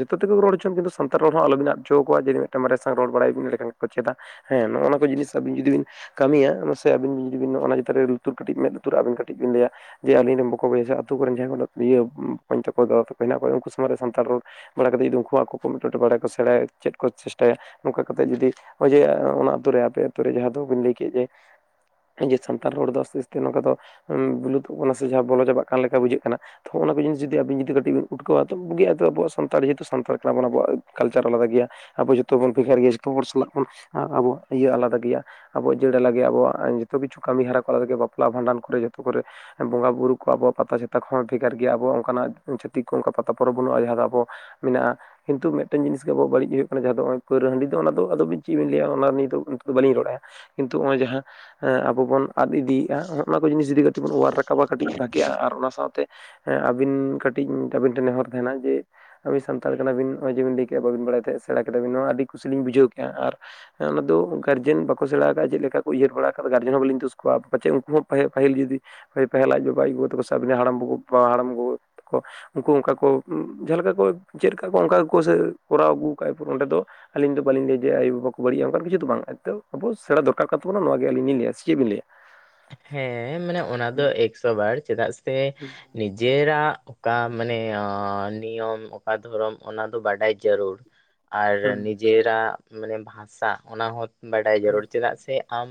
ᱡᱚᱛᱚ ᱛᱮᱜᱮ ᱨᱚᱲ ᱦᱚᱪᱚᱱ ᱠᱤᱱᱛᱩ ᱥᱟᱱᱛᱟᱲ ᱨᱚᱲ ᱦᱚᱸ ᱟᱞᱚᱵᱤᱱ ᱟᱫ ᱦᱚᱪᱚ ᱟᱠᱚᱣᱟ ᱠᱮᱢᱨᱟ ᱥᱟᱣ ᱨᱚᱲ ᱵᱟᱲᱟᱭ ᱵᱤᱱ ᱮᱸᱰᱮᱠᱷᱟᱱ ᱠᱚ ᱪᱮᱫᱟ ᱦᱮᱸ ᱱᱚᱜᱼᱚ ᱱᱚᱣᱟ ᱠᱚ ᱡᱤᱱᱤᱥ ᱟᱵᱤᱱ ᱡᱩᱫᱤ ᱵᱤᱱ ᱠᱟᱹᱢᱤᱭᱟ ᱢᱟᱥᱮ ᱟᱹᱵᱤᱱ ᱡᱩᱫᱤ ᱵᱤᱱ ᱚᱱᱟ ᱪᱮᱛᱟᱱ ᱨᱮ ᱞᱩᱛᱩᱨ ᱠᱟᱹᱴᱤᱡ ᱢᱮᱫ ᱞᱩᱛᱩᱨᱼᱟᱜ ᱟᱹᱵᱤᱱ ᱠᱟᱹᱴᱤᱡ ᱵᱤᱱ ᱞᱟᱹᱭᱟ ᱡᱮ ᱟᱹᱞᱤᱧ ᱨᱮᱱ ᱵᱟᱠᱚ ᱵᱚᱭᱦᱟ ᱥᱮ ᱟᱛᱩ ᱠᱚᱨᱮᱱ ᱡᱟᱦᱟᱸᱭ ᱠᱚ ᱤᱭᱟᱹ ᱵᱚᱠᱚᱧ ᱛᱟᱠᱚ ᱫᱟᱫᱟ ᱛᱟᱠᱚ ᱦᱮᱱᱟᱜ ᱠᱚᱣᱟ ᱩᱱᱠᱩ ᱥᱚᱢᱟᱝ ᱨᱮ ᱥᱟᱱᱛᱟᱲ ᱨᱚᱲ ᱵᱟᱲᱟ ᱠᱟᱛᱮᱫ ᱩᱱᱠᱩ ᱦᱚᱸ ᱟᱠᱚ ᱠᱚ ᱢᱤᱫᱴᱮᱱ ᱵᱟᱲᱟᱭ ᱟᱠᱚ ᱥᱮᱬᱟᱭᱟ ᱪᱮᱫ ᱠᱚ ᱪᱮᱥᱴᱟᱭᱟ ᱱᱚᱝᱠᱟ ᱠᱟᱛᱮᱫ ᱡᱩᱫᱤ ᱚᱸᱭ ᱡᱮ ᱚᱱᱟ ᱟᱹᱛᱩ ᱨᱮ ᱟᱯᱮ ᱟᱛᱳ ᱨᱮ ᱡᱟᱦᱟᱸ ᱫᱚᱵᱤᱱ ᱞᱟᱹᱭ ᱠᱮᱫ ᱡᱮ ᱡᱮ ᱥᱟᱱᱛᱟᱲ ᱨᱚᱲ ᱫᱚ ᱟᱥᱛᱮ ᱟᱥᱛᱮ ᱱᱚᱝᱠᱟ ᱫᱚ ᱵᱤᱞᱩᱫᱚᱜ ᱠᱟᱱᱟ ᱥᱮ ᱡᱟᱦᱟᱸ ᱵᱚᱞᱚ ᱪᱟᱵᱟᱜ ᱠᱟᱱ ᱞᱮᱠᱟ ᱵᱩᱡᱷᱟᱹᱜ ᱠᱟᱱᱟ ᱛᱚ ᱚᱱᱟ ᱠᱚ ᱡᱤᱱᱤᱥ ᱡᱩᱫᱤ ᱟᱵᱤᱱ ᱡᱩᱫᱤ ᱵᱟᱵᱤᱱ ᱩᱴᱠᱟᱹᱣᱟ ᱛᱚ ᱵᱩᱡᱚᱜ ᱛᱚ ᱟᱵᱚᱣᱟᱜ ᱥᱟᱱᱛᱟᱲ ᱡᱟᱹᱛᱤ ᱥᱟᱱᱛᱟᱲ ᱠᱟᱱᱟᱱᱵᱚᱱ ᱟᱵᱚᱣᱟᱜ ᱠᱟᱞᱪᱟᱨ ᱟᱞᱟᱫᱟ ᱜᱮᱭᱟ ᱟᱵᱚ ᱡᱚᱛᱚ ᱵᱚᱱ ᱵᱷᱮᱜᱟᱨ ᱜᱮᱭᱟ ᱡᱚᱛᱚ ᱦᱚᱲ ᱥᱟᱞᱟᱜ ᱵᱚᱱ ᱟᱵᱚᱣᱼᱟᱜ ᱤᱭᱟᱹ ᱟᱞᱟᱫᱟ ᱜᱮᱭᱟ ᱟᱵᱚᱣᱟᱜ ᱡᱟᱹᱲᱟ ᱟᱞᱟᱜᱮ ᱟᱵᱚᱣᱼᱟᱜ ᱡᱚᱛᱚ ᱠᱤᱪᱷᱩ ᱠᱟᱹᱢᱤ ᱦᱚᱨᱟ ᱠᱚ ᱦᱚᱸᱜᱼᱚᱭ ᱡᱮ ᱵᱟᱯᱞᱟ ᱵᱷᱟᱸᱰᱟᱱ ᱠᱚᱨᱮ ᱡᱚᱛᱚ ᱠᱚᱨᱮ ᱵᱚᱸᱜᱟᱼ ᱵᱩᱨᱩ ᱠᱚ ᱟᱵᱚ ᱯᱟᱛᱟ ᱪᱷᱟᱛᱟ ᱠᱚ ᱵᱷᱮᱜᱟᱨ ᱜᱮᱭᱟ ᱟᱵᱚ ᱚᱝᱠᱟᱱᱟᱜ ᱪᱷᱟᱹᱛᱤᱠ ᱠᱚ ᱚᱱᱠᱟ ᱯᱟᱛᱟ ᱯᱚᱨᱚᱵᱽ ᱵᱟᱹᱱᱩᱜᱼᱟ ᱡᱟᱦᱟᱸ ᱫᱚ ᱟᱵᱚ ᱢᱮᱱᱟᱜᱼᱟ ᱠᱤᱱᱛᱩ ᱢᱮᱫᱴᱮᱱ ᱡᱤᱱᱤᱥ ᱜᱮ ᱟᱵᱚᱣᱼᱟᱜ ᱵᱟᱹᱲᱤᱡ ᱦᱩᱭᱩᱜ ᱠᱟᱱᱟ ᱡᱟᱦᱟᱸ ᱫᱚ ᱦᱚᱸᱜᱼᱚᱭ ᱯᱟᱹᱣᱨᱟᱹ ᱦᱟᱹᱰᱤ ᱫᱚ ᱚᱱᱟ ᱫᱚ ᱟᱫᱚ ᱪᱮᱫ ᱵᱤᱱ ᱞᱟᱹᱭᱟ ᱚᱱᱟ ᱱᱤᱭᱮ ᱫᱚ ᱱᱤᱛ ᱫᱚ ᱵᱟᱹᱞᱤᱧ ᱨᱚᱲᱟ ᱠᱤᱱᱛᱩ ᱦᱚᱸᱜᱼᱚᱭ ᱡᱟᱦᱟᱸ ᱟᱵᱚ ᱵᱚᱱ ᱟᱫ ᱤᱫᱤᱭᱮᱜᱼᱟ ᱚᱱᱮ ᱚᱱᱟ ᱠᱚ ᱡᱤᱱᱤᱥ ᱡᱩᱫᱤ ᱠᱟᱹᱴᱤᱡ ᱵᱚᱱ ᱚᱣᱟᱨ ᱨᱟᱠᱟᱵᱟ ᱠᱟᱹᱴᱤᱡ ᱵᱷᱟᱜᱮᱜᱼᱟ ᱟᱨ ᱚᱱᱟ ᱥᱟᱶᱛᱮ ᱦᱮ ᱟᱹᱵᱤᱱ ᱠᱟᱹᱴᱤᱡ ᱟᱹᱵᱤᱱ ᱴᱷᱮᱱ ᱱᱮᱦᱚᱨ ᱛᱟᱦᱮᱸᱱᱟ ᱡᱮ ᱟᱵᱤᱱ ᱥᱟᱱᱛᱟᱲ ᱠᱟᱱᱟᱵᱤᱱ ᱱᱚᱸᱜᱼᱚᱭ ᱡᱮᱵᱤᱱ ᱞᱟᱹᱭ ᱠᱮᱜᱟ ᱵᱟᱵᱤᱱ ᱵᱟᱲᱟᱭ ᱛᱟᱦᱮᱸᱫ ᱥᱮᱬᱟ ᱠᱮᱫᱟᱵᱤᱱ ᱱᱚᱣᱟ ᱟᱹᱰᱤ ᱠᱩᱥᱤ ᱞᱤᱧ ᱵᱩᱡᱷᱟᱹᱣ ᱠᱮᱜᱼᱟ ᱟᱨ ᱦᱮᱸ ᱚᱱᱟ ᱫᱚ ᱜᱟᱨᱡᱮᱱ ᱵᱟᱼᱼ ᱠᱚ ᱪᱟᱞᱟᱣ ᱟᱠᱟᱫ ᱪᱮᱫ ᱞᱮᱠᱟ ᱠᱚ ᱩᱭᱦᱟᱹᱨ ᱵᱟᱲᱟ ᱟᱠᱟᱫᱟ ᱜᱟᱨᱡᱮᱱ ᱦᱚᱸ ᱵᱟᱹᱞᱤᱧ ᱫᱩᱥ ᱠᱚᱣᱟ ᱟᱫᱚ ᱯᱟᱪᱮᱫ ᱩᱱᱠᱩ ᱦᱚᱸ ᱯᱟᱼᱯᱟᱦᱤᱞ ᱡᱩᱫᱤ ᱯᱮ-ᱯᱟᱦᱤᱞ ᱟᱡ ᱵᱟᱵᱟ ᱟᱡ ᱜᱚᱜᱚ ᱥᱟᱣ ᱛᱮ ᱦᱟᱲᱟᱢ ᱵᱩᱵᱟ ᱦᱟᱲᱟᱢ ᱵᱩᱼᱼ ᱠᱚ ᱩᱱᱠᱩ ᱚᱱᱠᱟ ᱠᱚ ᱡᱟᱦᱟᱸ ᱞᱮᱠᱟ ᱠᱚ ᱪᱮᱫ ᱞᱮᱠᱟ ᱠᱚ ᱚᱱᱠᱟ ᱟᱜᱩ ᱥᱮ ᱠᱚᱨᱟᱣ ᱟᱹᱜᱩ ᱠᱟᱫᱟ ᱟᱯᱮ ᱚᱸᱰᱮ ᱫᱚ ᱟᱹᱞᱤᱧ ᱫᱚ ᱵᱟᱞᱤᱧ ᱞᱟᱹᱭᱟ ᱡᱮ ᱟᱭᱳ ᱵᱟᱵᱟ ᱠᱚ ᱵᱟᱹᱲᱤᱡᱼᱟ ᱚᱱᱠᱟᱱ ᱠᱤᱪᱷᱩ ᱫᱚ ᱵᱟᱝ ᱮᱛᱚ ᱟᱵᱚ ᱥᱮᱸᱬᱟ ᱫᱚᱨᱠᱟᱨ ᱠᱟᱱ ᱛᱟᱵᱚᱱᱟ ᱱᱚᱣᱟ ᱜᱮ ᱟᱹᱞᱤᱧ ᱞᱤᱧ ᱞᱟᱹᱭ ᱟ ᱥᱮ ᱪᱮᱫ ᱵᱤᱱ ᱞᱟᱹᱭᱟ ᱦᱮᱸ ᱢᱟᱱᱮ ᱚᱱᱟ ᱫᱚ ᱦᱩᱸ ᱮᱠᱥᱚ ᱵᱟᱨ ᱪᱮᱫᱟᱜ ᱥᱮ ᱱᱤᱡᱮᱨᱟᱜ ᱚᱠᱟ ᱢᱟᱱᱮ ᱱᱤᱭᱚᱢ ᱚᱠᱟ ᱫᱷᱚᱨᱚᱢ ᱚᱱᱟ ᱫᱚ ᱵᱟᱰᱟᱭ ᱡᱟᱹᱨᱩᱲ ᱟᱨ ᱱᱤᱼᱼ ᱦᱩᱸ ᱱᱤᱡᱮᱨᱼᱟᱜ ᱢᱟᱱᱮ ᱵᱷᱟᱥᱟ ᱚᱱᱟ ᱦᱚᱸ ᱵᱟᱰᱟᱭ ᱡᱟᱹᱨᱩᱲ ᱦᱩᱸ ᱪᱮᱫᱟᱜ ᱥᱮ ᱟᱢ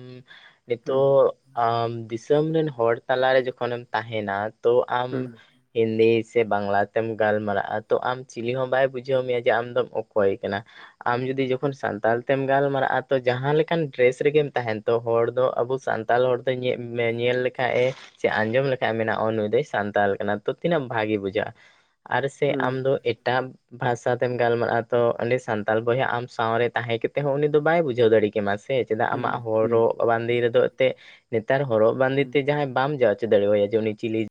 ᱦᱩᱸ ᱱᱤᱛᱚᱜ ᱟᱢ ᱫᱤᱥᱚᱢ ᱨᱮᱱ ᱦᱚᱲ ᱛᱟᱞᱟᱨᱮ ᱡᱚᱠᱷᱚᱱᱮᱢ ᱛᱟᱦᱮᱸᱱᱟ ᱛᱚ ᱟᱢ ᱦᱩᱸ ᱦᱤᱱᱫᱤ ᱥᱮ ᱵᱟᱝᱞᱟ ᱛᱮᱢ ᱜᱟᱞᱢᱟᱨᱟᱜᱼᱟ ᱛᱚ ᱟᱢ ᱪᱤᱞᱤ ᱦᱚᱸ ᱵᱟᱭ ᱵᱩᱡᱷᱟᱹᱣ ᱢᱮᱭᱟ ᱡᱮ ᱟᱢᱫᱢ ᱚᱠᱚᱭ ᱠᱟᱱᱟ ᱟᱢ ᱡᱩᱫᱤ ᱡᱚᱠᱷᱚᱱ ᱥᱟᱱᱛᱟᱞ ᱛᱮᱢ ᱜᱟᱞᱢᱟᱨᱟᱜᱼᱟ ᱛᱚ ᱡᱟᱦᱟᱸᱞ ᱞᱮᱠᱟᱱ ᱰᱨᱮᱥ ᱨᱮᱜᱮᱢ ᱛᱟᱦᱮᱱ, ᱦᱚᱲ ᱫᱚ ᱟᱵᱚ ᱥᱟᱱᱛᱟᱞ ᱦᱚᱲ, ᱧᱮᱞ ᱞᱮᱠᱷᱟᱡᱼᱮ ᱥᱮ ᱟᱸᱡᱚᱢ ᱞᱮᱠᱷᱟ ᱢᱮᱱᱟᱜᱼᱟ ᱱᱩᱭ ᱫᱚᱭ ᱥᱟᱱᱛᱟᱞ ᱠᱟᱱᱟ, ᱛᱤᱱᱟᱹᱜ ᱵᱷᱟᱜᱮ ᱵᱩᱡᱷᱟᱹᱜᱼᱟ ᱟᱨ ᱥᱮ ᱦᱩᱸ ᱟᱢ ᱫᱚ ᱮᱴᱟᱜ, ᱵᱷᱟᱥᱟ ᱛᱮᱢ ᱜᱟᱞᱢᱟᱨᱟᱜᱼᱟ ᱛᱚ ᱩᱱᱤᱸᱰᱮ ᱥᱟᱱᱛᱟᱞ ᱵᱚᱭᱦᱟ ᱟᱢ ᱥᱟᱶᱨᱮ ᱛᱟᱦᱮᱸ ᱠᱟᱛᱮ ᱦᱚᱸ ᱩᱱᱤ ᱫᱚ ᱵᱟᱭ ᱵᱩᱡᱷᱟᱹᱣ ᱫᱟᱲᱮ ᱠᱮᱢᱟ ᱥᱮ, ᱪᱮᱫᱟᱜ ᱟᱢᱟᱜ ᱦᱩᱸ ᱦᱩᱸ ᱦᱚᱨᱚᱜ ᱵᱟᱸᱫᱮ ᱨᱮᱫᱚ ᱮᱛᱮ ᱱᱮᱛᱟᱨ ᱦᱚᱨᱚᱜ ᱵᱟᱸᱫᱮ ᱦᱩᱸ ᱮᱛᱮ ᱡᱟᱦᱟᱸᱭ ᱵᱟᱢ ᱡᱟᱣᱪ, ᱫᱟᱲᱮᱭᱟᱭ ᱡᱮ ᱩᱱᱤ ᱪᱤᱞᱤ, ᱡᱟᱼᱼ